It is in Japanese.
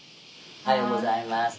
おはようございます。